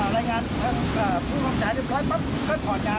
รายงานผู้คำจ่ายเรียบร้อยปั๊บก็ถอดยา